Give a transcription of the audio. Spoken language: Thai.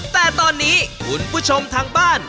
แต่ตอนนี้คุณผู้ชมทางบ้าน